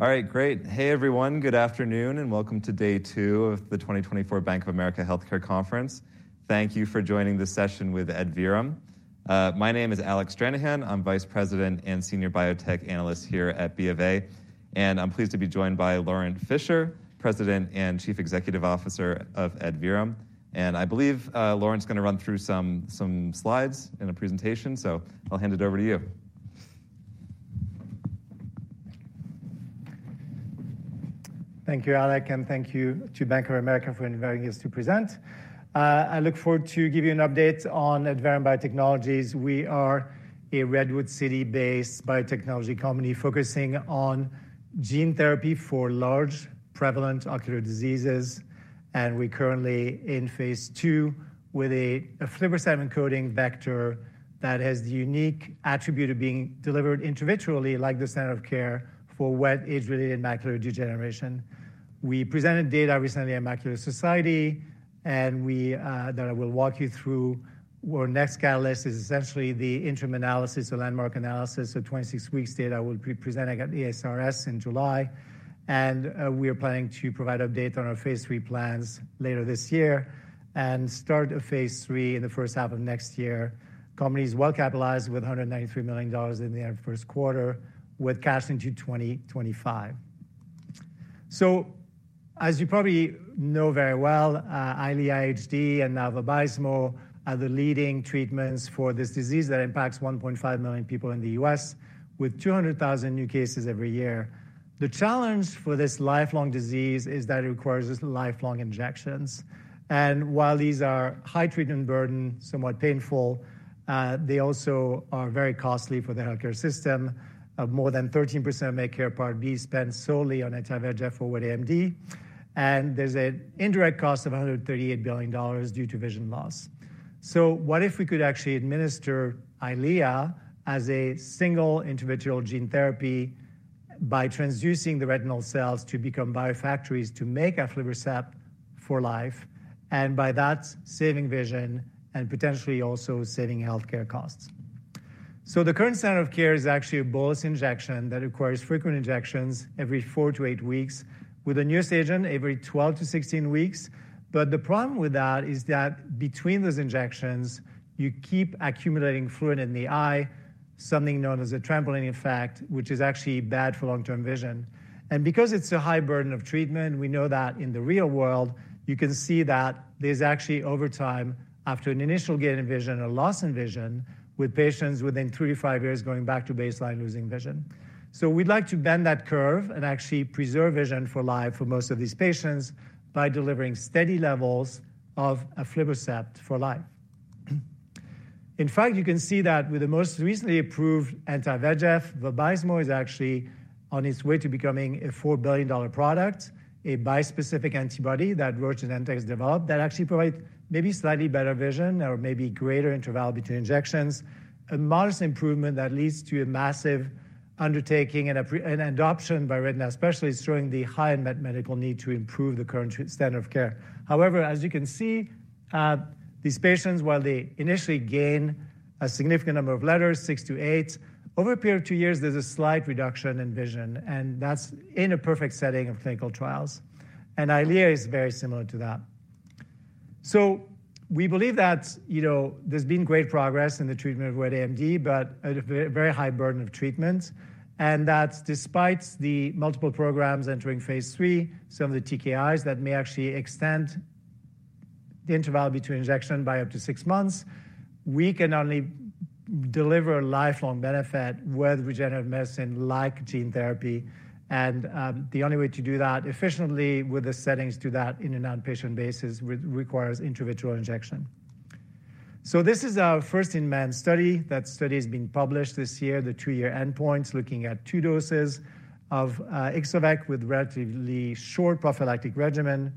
All right, great. Hey everyone, good afternoon, and welcome to day two of the 2024 Bank of America Healthcare Conference. Thank you for joining this session with Adverum. My name is Alec Stranahan. I'm Vice President and Senior Biotech Analyst here at BofA, and I'm pleased to be joined by Laurent Fischer, President and Chief Executive Officer of Adverum. And I believe, Laurent's going to run through some, some slides in a presentation, so I'll hand it over to you. Thank you, Alec, and thank you to Bank of America for inviting us to present. I look forward to giving you an update on Adverum Biotechnologies. We are a Redwood City-based biotechnology company focusing on gene therapy for large, prevalent ocular diseases, and we're currently in phase II with a aflibercept coding vector that has the unique attribute of being delivered intravitreally, like the standard of care, for wet age-related macular degeneration. We presented data recently at Macula Society, and that I will walk you through. Our next catalyst is essentially the interim analysis, the landmark analysis of 26 weeks' data we'll present at ASRS in July. We are planning to provide updates on our phase III plans later this year and start a phase III in the first half of next year. Company's well capitalized with $193 million in the first quarter, with cash into 2025. So, as you probably know very well, Eylea and Vabysmo are the leading treatments for this disease that impacts 1.5 million people in the U.S., with 200,000 new cases every year. The challenge for this lifelong disease is that it requires lifelong injections. And while these are high treatment burden, somewhat painful, they also are very costly for the healthcare system. More than 13% of Medicare Part B spent solely on anti-VEGF for AMD, and there's an indirect cost of $138 billion due to vision loss. So what if we could actually administer Eylea as a single intravitreal gene therapy by transducing the retinal cells to become biofactories to make aflibercept for life, and by that saving vision and potentially also saving healthcare costs? So the current standard of care is actually a bolus injection that requires frequent injections every four to eight weeks, with a newest agent every 12-16 weeks. But the problem with that is that between those injections, you keep accumulating fluid in the eye, something known as a trampoline effect, which is actually bad for long-term vision. And because it's a high burden of treatment, we know that in the real world, you can see that there's actually, over time, after an initial gain in vision and a loss in vision, with patients within three to five years going back to baseline, losing vision. So we'd like to bend that curve and actually preserve vision for life for most of these patients by delivering steady levels of aflibercept for life. In fact, you can see that with the most recently approved anti-VEGF, Vabysmo is actually on its way to becoming a $4 billion product, a bispecific antibody that Roche and Genentech developed that actually provides maybe slightly better vision or maybe greater interval between injections, a modest improvement that leads to a massive undertaking and rapid adoption by retina specialists, showing the high unmet medical need to improve the current standard of care. However, as you can see, these patients, while they initially gain a significant number of letters, six to eight, over a period of two years, there's a slight reduction in vision, and that's in a perfect setting of clinical trials. Eylea is very similar to that. So we believe that, you know, there's been great progress in the treatment of wet AMD, but a very high burden of treatment, and that despite the multiple programs entering phase III, some of the TKIs that may actually extend the interval between injection by up to six months, we can only deliver lifelong benefit with regenerative medicine like gene therapy. And, the only way to do that efficiently with the settings to that in an outpatient basis requires intravitreal injection. So this is our first in-man study. That study has been published this year, the two-year endpoints, looking at two doses of Ixo-vec with a relatively short prophylactic regimen.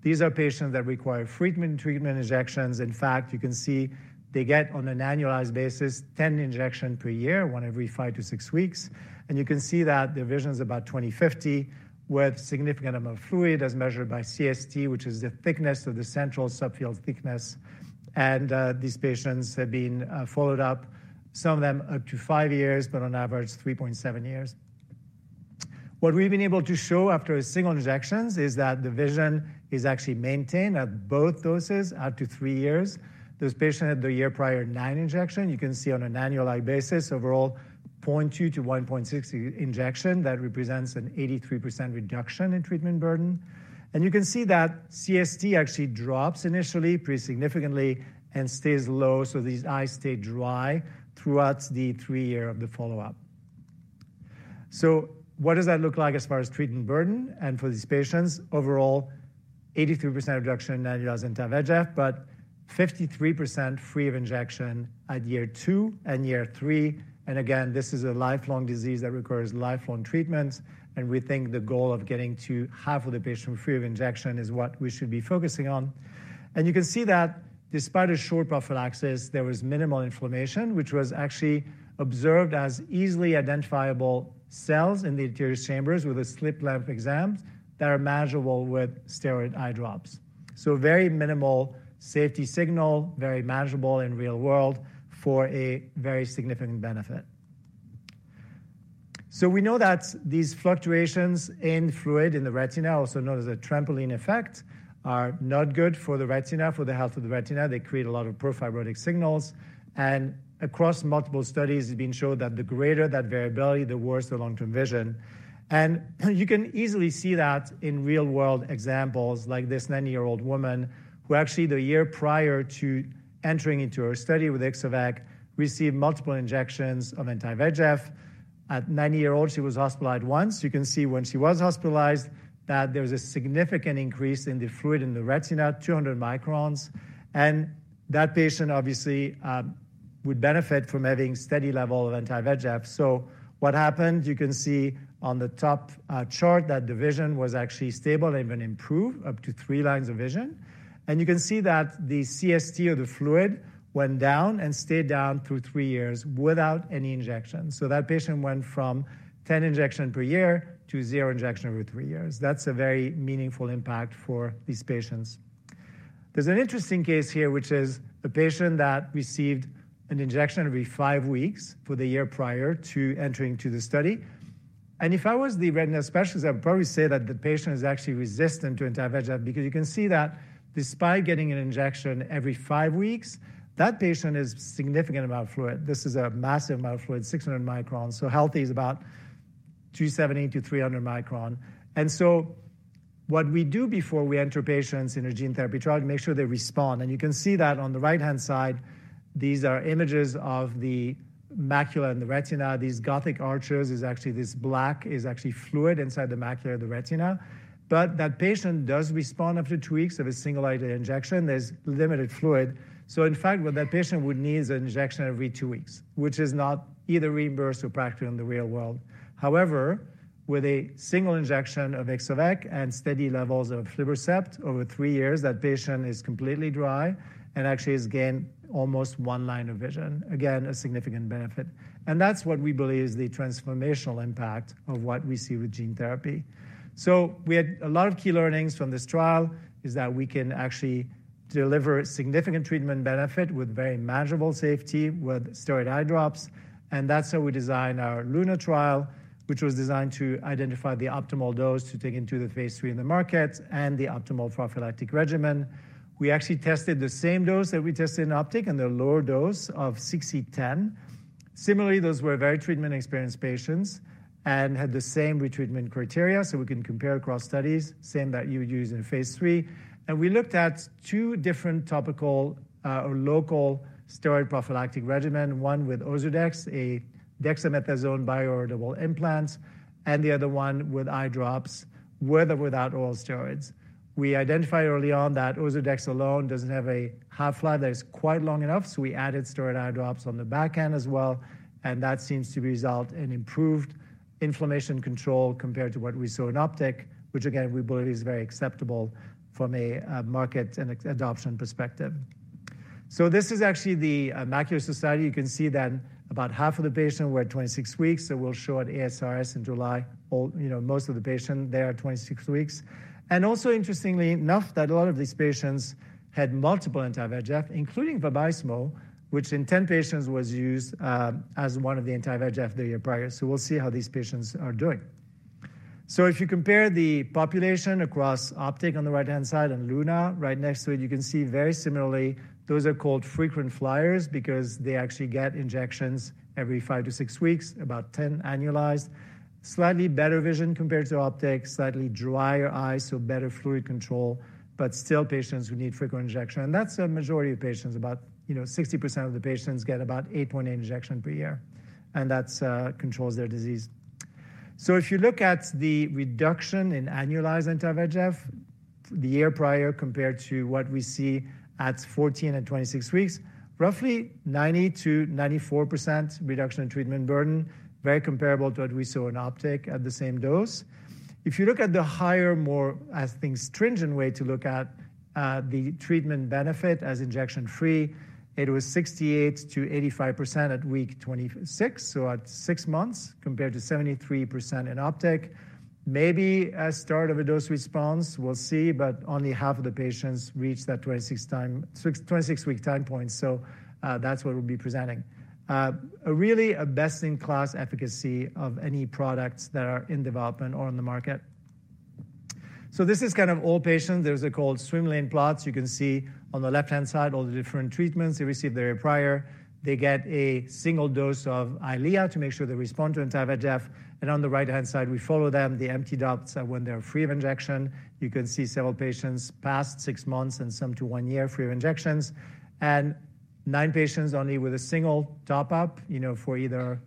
These are patients that require frequent treatment injections. In fact, you can see they get on an annualized basis 10 injections per year, one every five to six weeks. You can see that their vision is about 20/50 with a significant amount of fluid, as measured by CST, which is the thickness of the central subfield thickness. These patients have been followed up, some of them up to five years, but on average three point seven years. What we've been able to show after single injections is that the vision is actually maintained at both doses, up to three years. Those patients had the year prior nine injections. You can see on an annualized basis, overall, 0.2-1.6 injection that represents an 83% reduction in treatment burden. You can see that CST actually drops initially pretty significantly and stays low, so these eyes stay dry throughout the three-year of the follow-up. So what does that look like as far as treatment burden? For these patients, overall, 83% reduction in annualized anti-VEGF, but 53% free of injection at year two and year three. Again, this is a lifelong disease that requires lifelong treatments, and we think the goal of getting to half of the patients free of injection is what we should be focusing on. You can see that despite a short prophylaxis, there was minimal inflammation, which was actually observed as easily identifiable cells in the anterior chambers with a slit-lamp exam that are measurable with steroid eye drops. So very minimal safety signal, very measurable in the real world for a very significant benefit. So we know that these fluctuations in fluid in the retina, also known as a trampoline effect, are not good for the retina, for the health of the retina. They create a lot of pro-fibrotic signals. Across multiple studies, it's been shown that the greater that variability, the worse the long-term vision. You can easily see that in real-world examples like this 90-year-old woman, who actually, the year prior to entering into her study with Ixo-vec, received multiple injections of aflibercept. At 90 years old, she was hospitalized once. You can see when she was hospitalized that there was a significant increase in the fluid in the retina, 200 microns. That patient, obviously, would benefit from having a steady level of aflibercept. So what happened, you can see on the top chart that the vision was actually stable and even improved, up to three lines of vision. You can see that the CST of the fluid went down and stayed down through three years without any injections. That patient went from 10 injections per year to zero injections every three years. That's a very meaningful impact for these patients. There's an interesting case here, which is a patient that received an injection every five weeks for the year prior to entering into the study. And if I was the retina specialist, I would probably say that the patient is actually resistant to anti-VEGF because you can see that despite getting an injection every five weeks, that patient has a significant amount of fluid. This is a massive amount of fluid, 600 microns, so healthy is about 270-300 microns. And so what we do before we enter patients in a gene therapy trial is make sure they respond. And you can see that on the right-hand side, these are images of the macula and the retina. These gothic arches is actually this black is actually fluid inside the macula of the retina. But that patient does respond after two weeks of a single IVT injection. There's limited fluid. So in fact, what that patient would need is an injection every two weeks, which is not either reimbursed or practiced in the real world. However, with a single injection of Ixo-vec and steady levels of aflibercept over three years, that patient is completely dry and actually has gained almost one line of vision, again, a significant benefit. And that's what we believe is the transformational impact of what we see with gene therapy. So we had a lot of key learnings from this trial, is that we can actually deliver significant treatment benefit with very measurable safety with steroid eye drops. And that's how we designed our LUNA trial, which was designed to identify the optimal dose to take into the phase III in the market and the optimal prophylactic regimen. We actually tested the same dose that we tested in OPTIC, and the lower dose of 60/10. Similarly, those were very treatment-experienced patients and had the same retreatment criteria, so we can compare across studies, same that you would use in phase III. And we looked at two different topical, or local steroid prophylactic regimen, one with Ozurdex, a dexamethasone biodegradable implant, and the other one with eye drops, with or without oral steroids. We identified early on that Ozurdex alone doesn't have a half-life that is quite long enough, so we added steroid eye drops on the back end as well. And that seems to result in improved inflammation control compared to what we saw in OPTIC, which again, we believe is very acceptable from a, market and adoption perspective. So this is actually the, Macular Society. You can see that about half of the patients were at 26 weeks, so we'll show at ASRS in July, all, you know, most of the patients there at 26 weeks. And also interestingly enough, that a lot of these patients had multiple anti-VEGF, including Vabysmo, which in 10 patients was used, as one of the anti-VEGF the year prior. So we'll see how these patients are doing. So if you compare the population across OPTIC on the right-hand side and LUNA, right next to it, you can see very similarly, those are called frequent flyers because they actually get injections every five to six weeks, about 10 annualized. Slightly better vision compared to OPTIC, slightly drier eyes, so better fluid control, but still patients who need frequent injection. And that's the majority of patients, about, you know, 60% of the patients get about 8.8 injections per year, and that, controls their disease. So if you look at the reduction in annualized anti-VEGF the year prior compared to what we see at 14 and 26 weeks, roughly 90%-94% reduction in treatment burden, very comparable to what we saw in OPTIC at the same dose. If you look at the higher, more, I think, stringent way to look at, the treatment benefit as injection-free, it was 68%-85% at week 26, so at six months, compared to 73% in OPTIC. Maybe a start of a dose response, we'll see, but only half of the patients reach that 26-week time point, so, that's what we'll be presenting. Really a best-in-class efficacy of any products that are in development or on the market. So this is kind of all patients. There's a called swim lane plot. You can see on the left-hand side all the different treatments they received the year prior. They get a single dose of Eylea to make sure they respond to anti-VEGF. And on the right-hand side, we follow them, the empty dots when they're free of injection. You can see several patients past six months and some to one year free of injections, and nine patients only with a single top-up, you know, for either,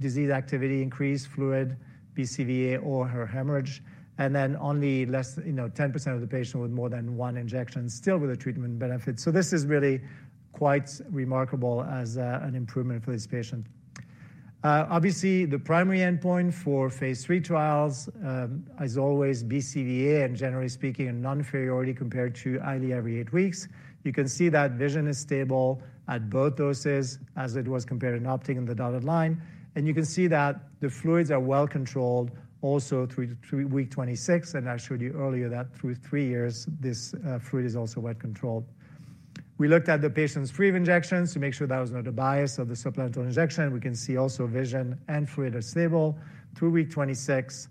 disease activity increase, fluid, BCVA, or subretinal hemorrhage. And then only less, you know, 10% of the patients with more than one injection, still with a treatment benefit. So this is really quite remarkable as an improvement for this patient. Obviously, the primary endpoint for phase III trials, as always, BCVA and generally speaking, a non-inferiority compared to Eylea every eight weeks. You can see that vision is stable at both doses as it was compared in OPTIC and the dotted line. And you can see that the fluids are well controlled also through week 26, and I showed you earlier that through three years, this fluid is also well controlled. We looked at the patients free of injections to make sure that was not a bias of the supplemental injection. We can see also vision and fluid are stable through week 26.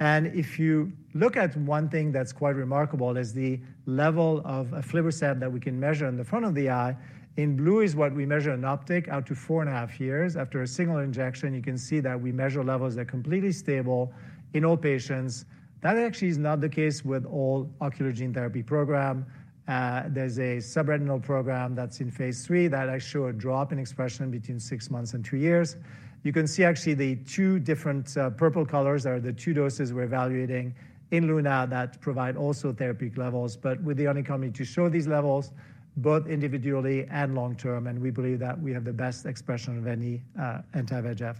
And if you look at one thing that's quite remarkable is the level of aflibercept that we can measure in the front of the eye. In blue is what we measure in OPTIC, out to four and a half years. After a single injection, you can see that we measure levels that are completely stable in all patients. That actually is not the case with all ocular gene therapy programs. There's a subretinal program that's in phase III that I show a drop in expression between six months and two years. You can see actually the two different purple colors are the two doses we're evaluating in LUNA that provide also therapeutic levels, but with the uniformity to show these levels both individually and long-term. And we believe that we have the best expression of any ever.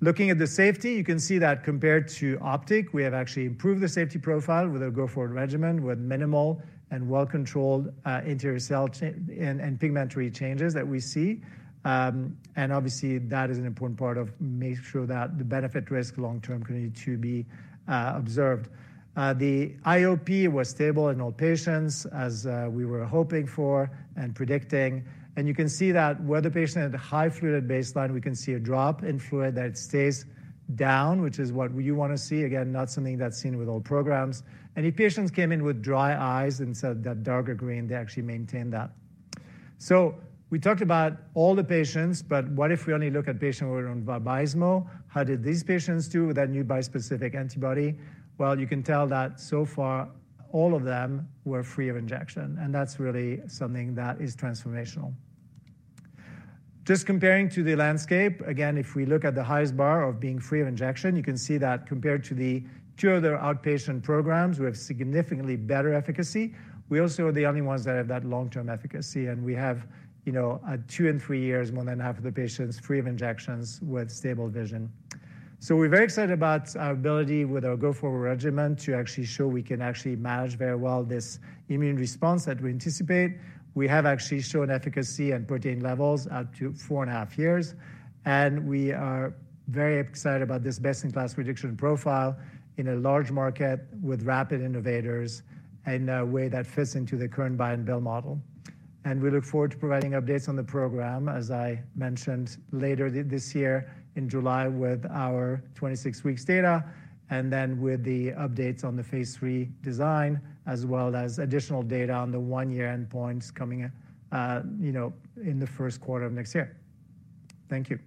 Looking at the safety, you can see that compared to OPTIC, we have actually improved the safety profile with a go-forward regimen with minimal and well-controlled anterior cell and pigmentary changes that we see. And obviously, that is an important part of making sure that the benefit-risk long-term continues to be observed. The IOP was stable in all patients as we were hoping for and predicting. You can see that where the patient had a high fluid at baseline, we can see a drop in fluid that stays down, which is what you want to see. Again, not something that's seen with all programs. If patients came in with dry eyes instead of that darker green, they actually maintain that. We talked about all the patients, but what if we only look at patients who were on Vabysmo? How did these patients do with that new bispecific antibody? Well, you can tell that so far, all of them were free of injection. That's really something that is transformational. Just comparing to the landscape, again, if we look at the highest bar of being free of injection, you can see that compared to the two other outpatient programs, we have significantly better efficacy. We also are the only ones that have that long-term efficacy. We have, you know, at two and three years, more than half of the patients free of injections with stable vision. We're very excited about our ability with our go-forward regimen to actually show we can actually manage very well this immune response that we anticipate. We have actually shown efficacy and protein levels out to four and a half years. We are very excited about this best-in-class reduction profile in a large market with rapid innovators in a way that fits into the current buy-and-bill model. We look forward to providing updates on the program, as I mentioned, later this year in July with our 26-week data and then with the updates on the phase III design as well as additional data on the one-year endpoints coming, you know, in the first quarter of next year. Thank you.